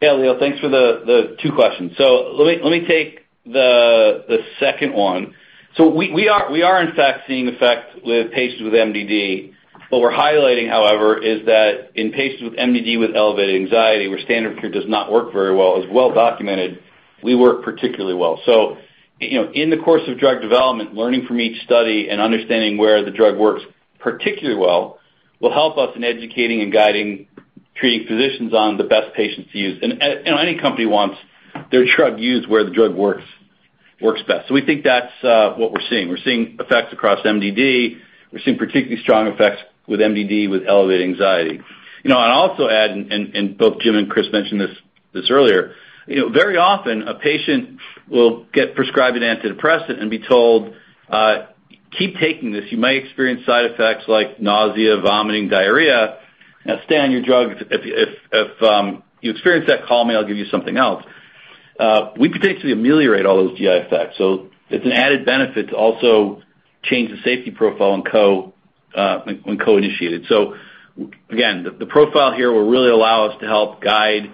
C: Yeah, Leo, thanks for the two questions. Let me take the second one. We are in fact seeing effect with patients with MDD. What we're highlighting, however, is that in patients with MDD with elevated anxiety where standard of care does not work very well is well documented, we work particularly well. You know, in the course of drug development, learning from each study and understanding where the drug works particularly well will help us in educating and guiding treating physicians on the best patients to use. Any company wants their drug used where the drug works best. We think that's what we're seeing. We're seeing effects across MDD. We're seeing particularly strong effects with MDD with elevated anxiety. You know, I'll also add, both Jim and Chris mentioned this earlier, you know, very often a patient will get prescribed an antidepressant and be told, "Keep taking this. You might experience side effects like nausea, vomiting, diarrhea. Now stay on your drug. If you experience that, call me, I'll give you something else." We potentially ameliorate all those GI effects, so it's an added benefit to also change the safety profile when co-initiated. Again, the profile here will really allow us to help guide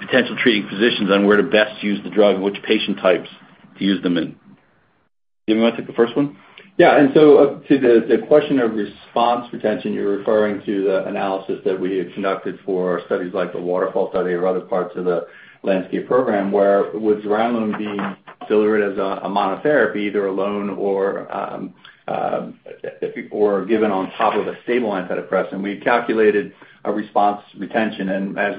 C: potential treating physicians on where to best use the drug and which patient types to use them in. Jim, you wanna take the first one?
D: Yeah. To the question of response retention, you're referring to the analysis that we had conducted for studies like the WATERFALL Study or other parts of the Landscape program, where with zuranolone being delivered as a monotherapy either alone or if it were given on top of a stable antidepressant, we calculated a response retention. As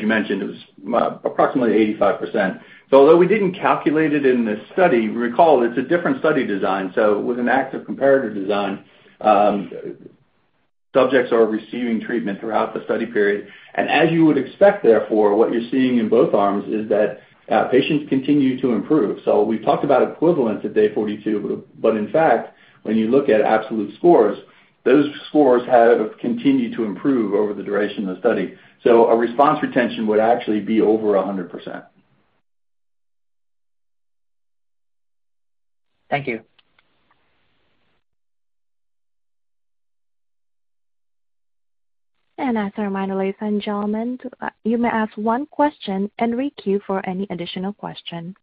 D: you mentioned, it was approximately 85%. Although we didn't calculate it in this study, recall it's a different study design. With an active comparative design, subjects are receiving treatment throughout the study period. As you would expect, therefore, what you're seeing in both arms is that patients continue to improve. We talked about equivalence at day 42, but in fact, when you look at absolute scores, those scores have continued to improve over the duration of the study. A response retention would actually be over 100%.
O: Thank you.
A: As a reminder, ladies and gentlemen, you may ask one question and requeue for any additional question.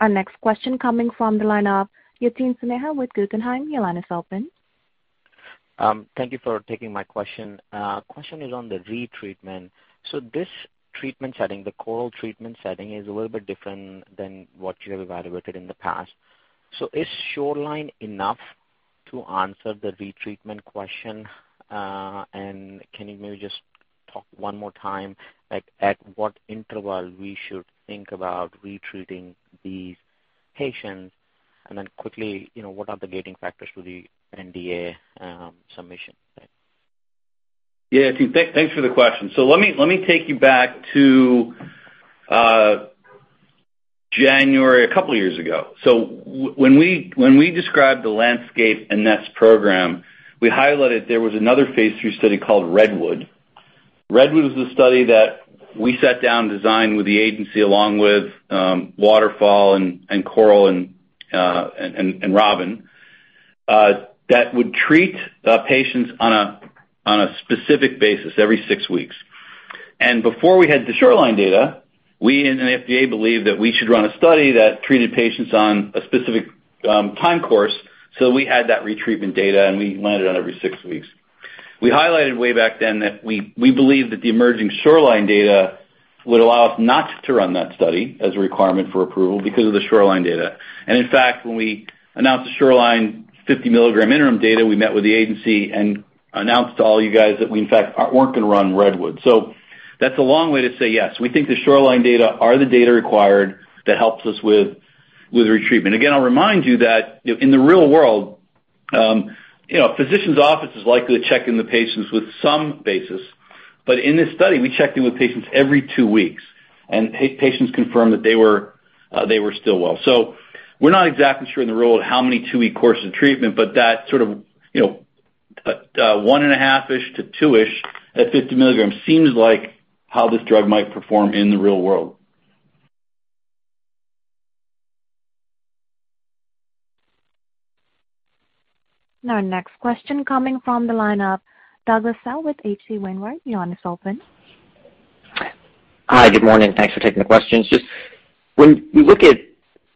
A: Our next question coming from the line of Yatin Suneja with Guggenheim. Your line is open.
P: Thank you for taking my question. Question is on the retreatment. This treatment setting, the CORAL treatment setting is a little bit different than what you have evaluated in the past. Is SHORELINE enough to answer the retreatment question? Can you maybe just talk one more time, like at what interval we should think about retreating these patients? Then quickly, you know, what are the gating factors to the NDA submission?
C: Yeah. Thanks for the question. Let me take you back to January a couple years ago. When we described the Landscape and NEST program, we highlighted there was another phase III study called REDWOOD. REDWOOD was the study that we sat down and designed with the agency along with WATERFALL, CORAL, and ROBIN that would treat the patients on a specific basis every six weeks. Before we had the SHORELINE data, we and the FDA believed that we should run a study that treated patients on a specific time course so we had that retreatment data, and we landed on every six weeks. We highlighted way back then that we believe that the emerging Shoreline data would allow us not to run that study as a requirement for approval because of the Shoreline data. In fact, when we announced the Shoreline 50 mg interim data, we met with the agency and announced to all you guys that we in fact aren't going to run Redwood. That's a long way to say, yes. We think the Shoreline data are the data required that helps us with retreatment. Again, I'll remind you that, you know, in the real world, physician's office is likely to check in the patients with some basis. In this study, we checked in with patients every two weeks, and patients confirmed that they were still well. We're not exactly sure in the realm of how many two-week courses of treatment, but that sort of, you know, 1.5-ish to 2-ish at 50 milligrams seems like how this drug might perform in the real world.
A: Our next question coming from the line of Douglas Tsao with H.C. Wainwright. Your line is open.
Q: Hi. Good morning. Thanks for taking the questions. Just when you look at,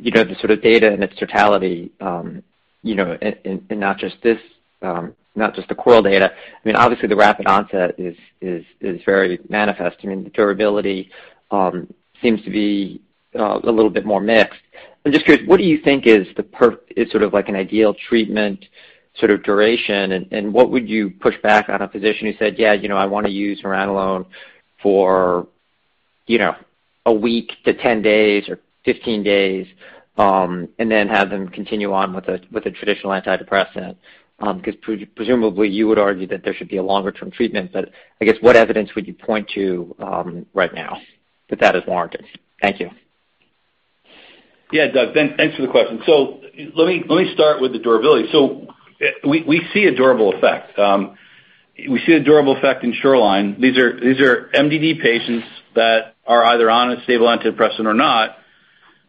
Q: you know, the sort of data and its totality, you know, and not just this, not just the CORAL data, I mean, obviously the rapid onset is very manifest. I mean, the durability seems to be a little bit more mixed. I'm just curious, what do you think is sort of like an ideal treatment sort of duration? And what would you push back on a physician who said, "Yeah, you know, I wanna use zuranolone for, you know, a week to 10 days or 15 days, and then have them continue on with a traditional antidepressant?" 'Cause presumably you would argue that there should be a longer-term treatment. I guess what evidence would you point to, right now that that is warranted? Thank you.
C: Yeah, Doug. Thanks for the question. Let me start with the durability. We see a durable effect. We see a durable effect in Shoreline. These are MDD patients that are either on a stable antidepressant or not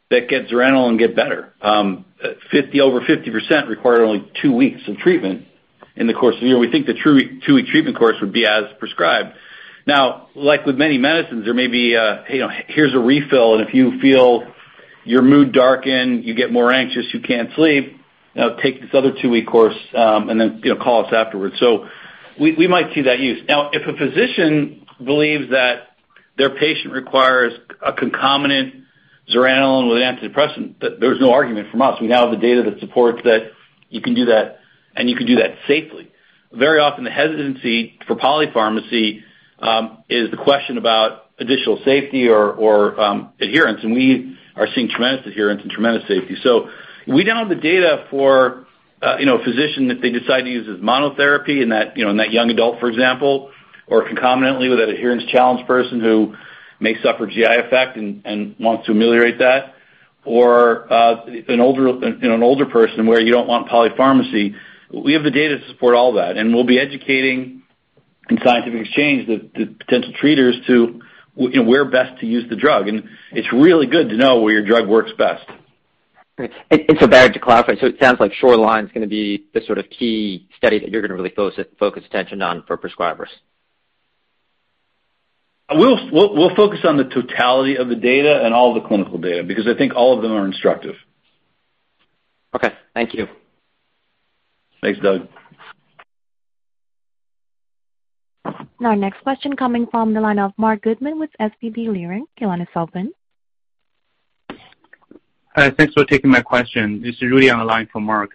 C: that get zuranolone and get better. Over 50% require only two weeks of treatment in the course of year. We think the two-week treatment course would be as prescribed. Now, like with many medicines, there may be, you know, here's a refill, and if you feel your mood darken, you get more anxious, you can't sleep, take this other two-week course, and then, you know, call us afterwards. We might see that use. Now, if a physician believes that their patient requires a concomitant zuranolone with an antidepressant, there's no argument from us. We now have the data that supports that you can do that, and you can do that safely. Very often, the hesitancy for polypharmacy is the question about additional safety or adherence, and we are seeing tremendous adherence and tremendous safety. We now have the data for you know a physician if they decide to use as monotherapy in that you know in that young adult, for example, or concomitantly with that adherence challenged person who may suffer GI effect and wants to ameliorate that, or in an older person where you don't want polypharmacy, we have the data to support all that, and we'll be educating in scientific exchange the potential treaters to you know where best to use the drug. It's really good to know where your drug works best.
Q: Barry, to clarify, so it sounds like Shoreline is gonna be the sort of key study that you're gonna really focus attention on for prescribers.
C: We'll focus on the totality of the data and all the clinical data because I think all of them are instructive.
Q: Okay. Thank you.
C: Thanks, Doug.
A: Our next question coming from the line of Marc Goodman with SVB Leerink. Your line is open.
R: Hi. Thanks for taking my question. This is Rudy on the line for Marc.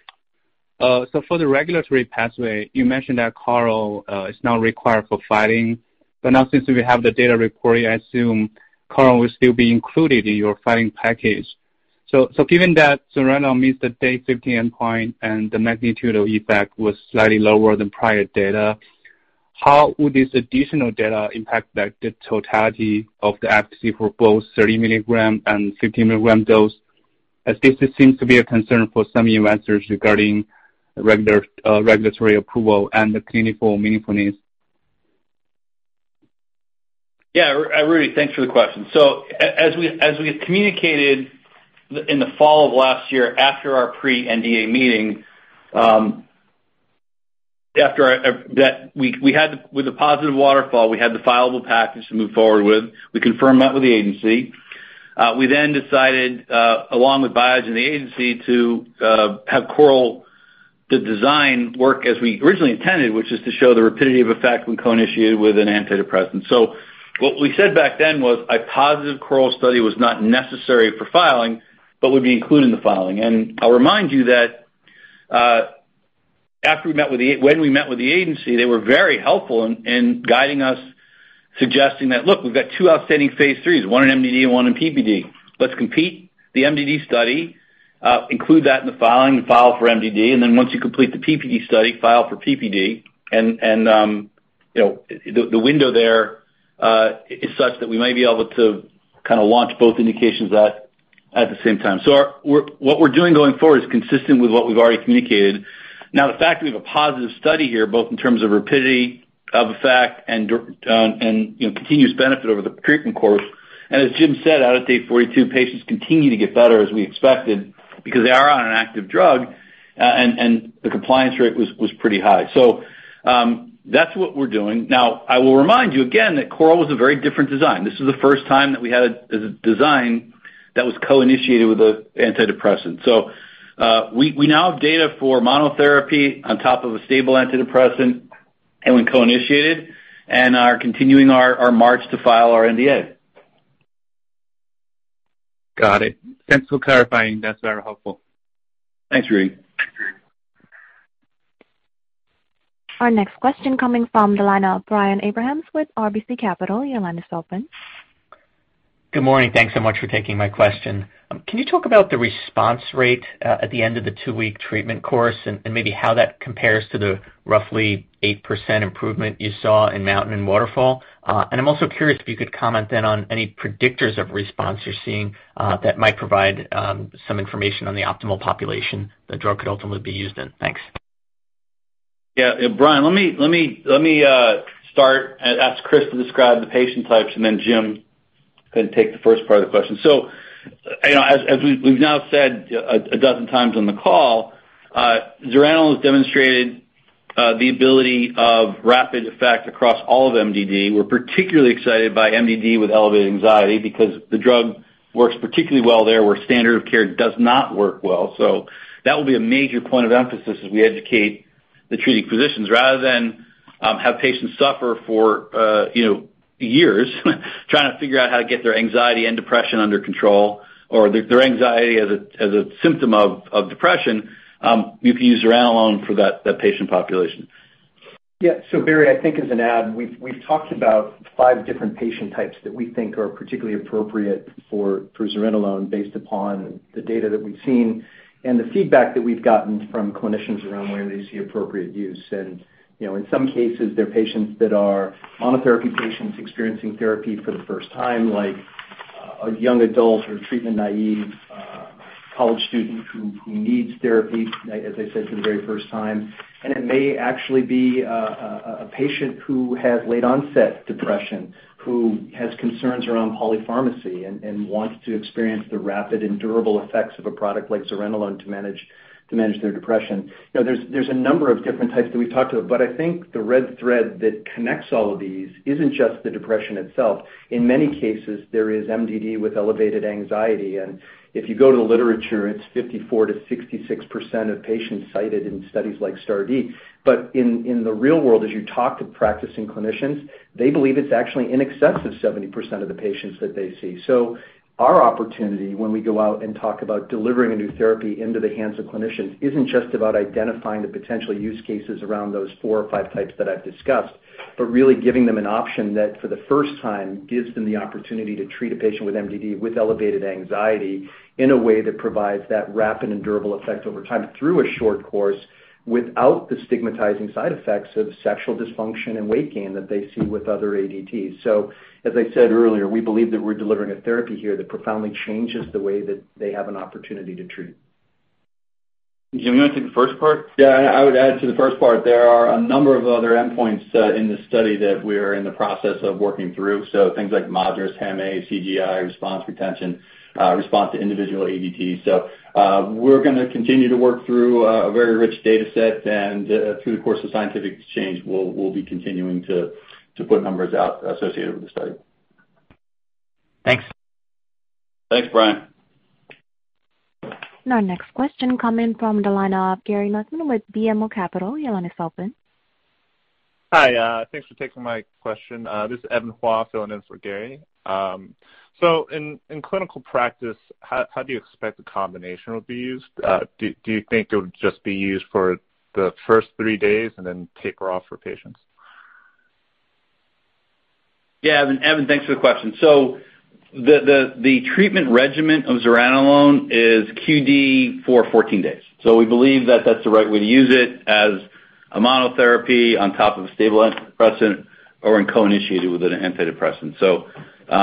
R: For the regulatory pathway, you mentioned that CORAL is now required for filing. Now since we have the data reporting, I assume CORAL will still be included in your filing package. Given that zuranolone missed the day 15 endpoint and the magnitude of effect was slightly lower than prior data, how would this additional data impact like the totality of the efficacy for both 30 milligram and 15 milligram dose, as this seems to be a concern for some investors regarding regulatory approval and the clinical meaningfulness?
C: Rudy, thanks for the question. So as we had communicated in the fall of last year after our pre-NDA meeting, with the positive Waterfall, we had the fileable package to move forward with. We confirmed that with the agency. We then decided, along with Biogen and the agency, to have the CORAL design work as we originally intended, which is to show the rapidity of effect when co-initiated with an antidepressant. So what we said back then was a positive CORAL study was not necessary for filing, but would be included in the filing. I'll remind you that, after we met with the agency, they were very helpful in guiding us, suggesting that, look, we've got two outstanding phase IIIs, one in MDD and one in PPD. Let's complete the MDD study, include that in the filing and file for MDD, and then once you complete the PPD study, file for PPD. You know, the window there is such that we might be able to kind of launch both indications at the same time. What we're doing going forward is consistent with what we've already communicated. Now, the fact that we have a positive study here, both in terms of rapidity of effect and you know, continuous benefit over the treatment course. As Jim said, at day 42, patients continue to get better as we expected because they are on an active drug, and the compliance rate was pretty high. That's what we're doing. Now, I will remind you again that CORAL was a very different design. This is the first time that we had the design that was co-initiated with a antidepressant. We now have data for monotherapy on top of a stable antidepressant and when co-initiated and are continuing our march to file our NDA.
R: Got it. Thanks for clarifying. That's very helpful.
C: Thanks, Rudy.
A: Our next question coming from the line of Brian Abrahams with RBC Capital Markets. Your line is open.
S: Good morning. Thanks so much for taking my question. Can you talk about the response rate at the end of the two-week treatment course and maybe how that compares to the roughly 8% improvement you saw in MOUNTAIN and WATERFALL? I'm also curious if you could comment then on any predictors of response you're seeing that might provide some information on the optimal population the drug could ultimately be used in. Thanks.
C: Yeah. Brian, let me start and ask Chris to describe the patient types and then Jim can take the first part of the question. You know, as we've now said a dozen times on the call, zuranolone has demonstrated the ability of rapid effect across all of MDD. We're particularly excited by MDD with elevated anxiety because the drug works particularly well there where standard of care does not work well. That will be a major point of emphasis as we educate the treating physicians. Rather than have patients suffer for, you know, years trying to figure out how to get their anxiety and depression under control or their anxiety as a symptom of depression, you can use zuranolone for that patient population.
J: Yeah. Barry, I think as an add, we've talked about five different patient types that we think are particularly appropriate for zuranolone based upon the data that we've seen and the feedback that we've gotten from clinicians around where they see appropriate use. You know, in some cases, they're patients that are monotherapy patients experiencing therapy for the first time, like, a young adult or treatment-naive college student who needs therapy, as I said, for the very first time. It may actually be a patient who has late onset depression, who has concerns around polypharmacy and wants to experience the rapid and durable effects of a product like zuranolone to manage their depression. You know, there's a number of different types that we've talked about, but I think the red thread that connects all of these isn't just the depression itself. In many cases, there is MDD with elevated anxiety. If you go to the literature, it's 54%-66% of patients cited in studies like STAR*D. In the real world, as you talk to practicing clinicians, they believe it's actually in excess of 70% of the patients that they see. Our opportunity when we go out and talk about delivering a new therapy into the hands of clinicians isn't just about identifying the potential use cases around those four or five types that I've discussed, but really giving them an option that for the first time gives them the opportunity to treat a patient with MDD with elevated anxiety in a way that provides that rapid and durable effect over time through a short course without the stigmatizing side effects of sexual dysfunction and weight gain that they see with other ADTs. As I said earlier, we believe that we're delivering a therapy here that profoundly changes the way that they have an opportunity to treat.
C: Jim, you wanna take the first part?
J: Yeah. I would add to the first part, there are a number of other endpoints in this study that we're in the process of working through. Things like MADRS, HAM-A, CGI, response retention, response to individual ADT. We're gonna continue to work through a very rich data set, and through the course of scientific exchange, we'll be continuing to put numbers out associated with the study.
S: Thanks.
C: Thanks, Brian.
A: Our next question coming from the line of Gary Nachman with BMO Capital Markets. Your line is open.
T: Hi. Thanks for taking my question. This is Evan Hua filling in for Gary. In clinical practice, how do you expect the combination will be used? Do you think it would just be used for the first three days and then taper off for patients?
C: Yeah. Evan, thanks for the question. The treatment regimen of zuranolone is QD for 14 days. We believe that that's the right way to use it as a monotherapy on top of a stable antidepressant or in co-initiated with an antidepressant. You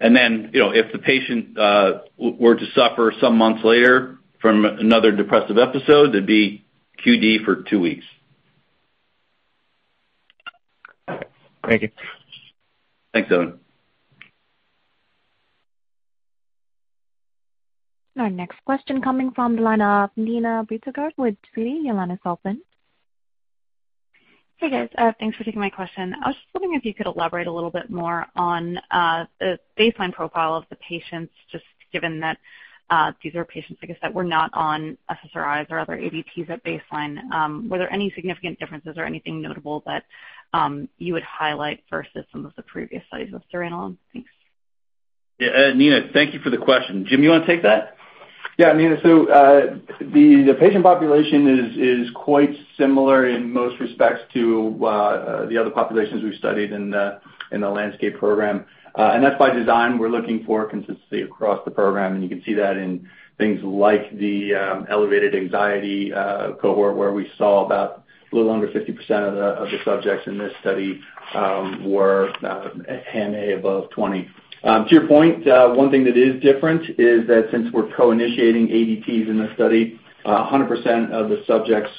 C: know, if the patient were to suffer some months later from another depressive episode, it'd be QD for two weeks.
U: Thank you.
C: Thanks, Evan.
A: Our next question coming from the line of Neerav Bhatia with BMO. Your line is open.
V: Hey guys, thanks for taking my question. I was just wondering if you could elaborate a little bit more on the baseline profile of the patients, just given that these are patients, I guess, that were not on SSRIs or other ADPs at baseline. Were there any significant differences or anything notable that you would highlight versus some of the previous studies with zuranolone? Thanks.
C: Yeah, Nina, thank you for the question. Jim, you wanna take that?
D: Yeah. Neerav, the patient population is quite similar in most respects to the other populations we studied in the Landscape program. That's by design. We're looking for consistency across the program, and you can see that in things like the elevated anxiety cohort, where we saw about a little under 50% of the subjects in this study were MADRS above 20. To your point, one thing that is different is that since we're co-initiating ADTs in this study, 100% of the subjects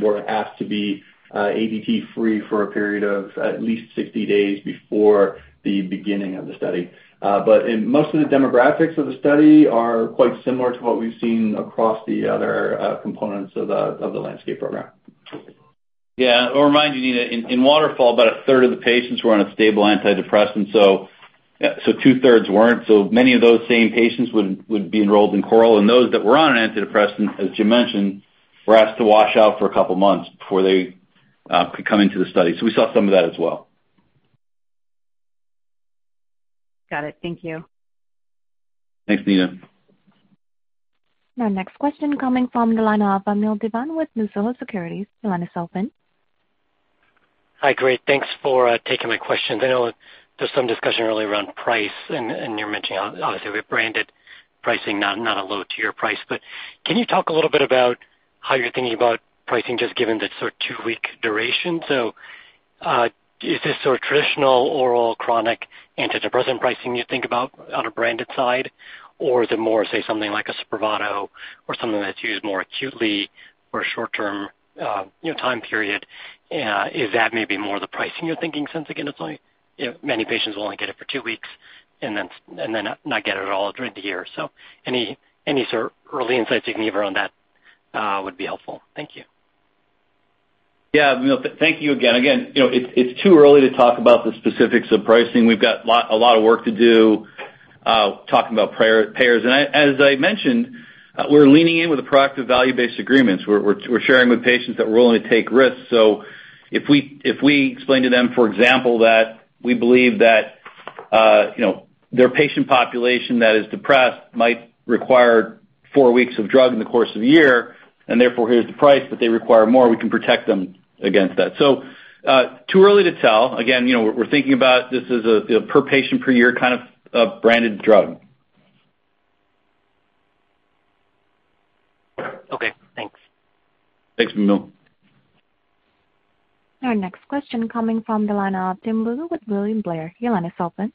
D: were asked to be ADT-free for a period of at least 60 days before the beginning of the study. In most of the demographics of the study are quite similar to what we've seen across the other components of the Landscape Program.
C: Yeah. I'll remind you, Neerav, in Waterfall, about a third of the patients were on a stable antidepressant, so two-thirds weren't. Many of those same patients would be enrolled in CORAL. Those that were on an antidepressant, as Jim mentioned, were asked to wash out for a couple months before they could come into the study. We saw some of that as well.
V: Got it. Thank you.
C: Thanks, Neerav Bhatia.
A: Our next question coming from the line of Ami Fadia with Needham & Company. Your line is open.
W: Hi. Great. Thanks for taking my questions. I know there's some discussion earlier around price and you're mentioning obviously rebranded pricing, not a low tier price. But can you talk a little bit about how you're thinking about pricing, just given the sort of two-week duration? Is this sort of traditional oral chronic antidepressant pricing you think about on a branded side? Or is it more, say, something like a Spravato or something that's used more acutely for a short-term, you know, time period? Is that maybe more the pricing you're thinking since, again, it's like, you know, many patients will only get it for two weeks and then not get it at all during the year. Any sort of early insights you can give around that would be helpful. Thank you.
C: Yeah. Ami, thank you again. Again, you know, it's too early to talk about the specifics of pricing. We've got a lot of work to do, talking about payers. As I mentioned, we're leaning in with the portfolio of value-based agreements. We're sharing with payers that we're willing to take risks. If we explain to them, for example, that we believe that, you know, their patient population that is depressed might require four weeks of drug in the course of a year, and therefore here's the price, but they require more, we can protect them against that. Too early to tell. Again, you know, we're thinking about this as a per-patient per year kind of branded drug.
X: Okay, thanks.
C: Thanks, Ami.
A: Our next question coming from the line of Tim Lugo with William Blair. Your line is open.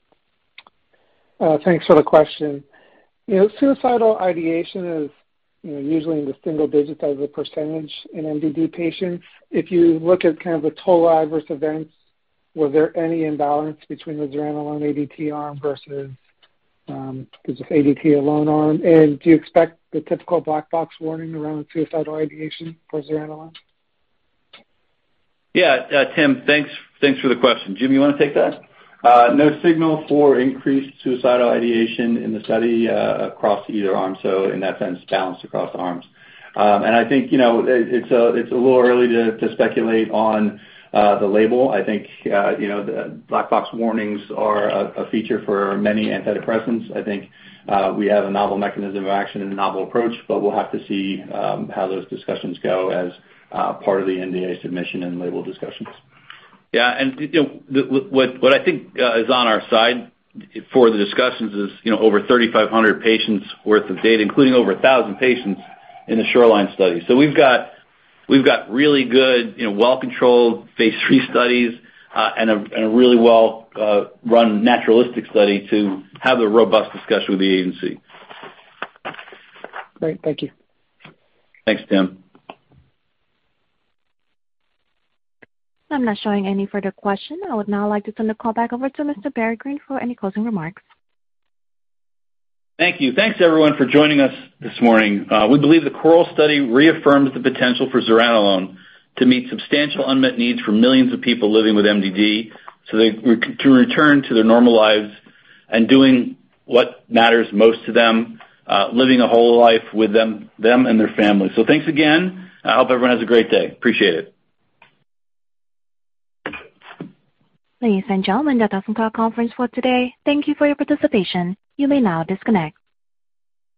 Y: Thanks for the question. You know, suicidal ideation is, you know, usually in the single digits% in MDD patients. If you look at kind of the total adverse events, was there any imbalance between the zuranolone ADT arm versus just ADT alone arm? Do you expect the typical black box warning around suicidal ideation for zuranolone?
C: Yeah. Tim, thanks. Thanks for the question. Jim, you wanna take that?
D: No signal for increased suicidal ideation in the study, across either arm, so in that sense, balanced across the arms. I think, you know, it's a little early to speculate on the label. I think, you know, the black box warnings are a feature for many antidepressants. I think, we have a novel mechanism of action and a novel approach, but we'll have to see how those discussions go as part of the NDA submission and label discussions.
C: Yeah. You know, what I think is on our side for the discussions is, you know, over 3,500 patients worth of data, including over 1,000 patients in the SHORELINE Study. We've got really good, you know, well-controlled phase III studies, and a really well run naturalistic study to have the robust discussion with the agency.
Z: Great. Thank you.
C: Thanks, Tim.
A: I'm not seeing any further questions. I would now like to turn the call back over to Mr. Barry Greene for any closing remarks.
C: Thank you. Thanks, everyone, for joining us this morning. We believe the CORAL study reaffirms the potential for zuranolone to meet substantial unmet needs for millions of people living with MDD, so they can return to their normal lives and doing what matters most to them, living a whole life with them and their families. Thanks again, and I hope everyone has a great day. Appreciate it.
A: Ladies and gentlemen, that concludes our conference for today. Thank you for your participation. You may now disconnect.